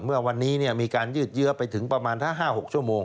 เมื่อวันนี้มีการยืดเยื้อไปถึงประมาณถ้า๕๖ชั่วโมง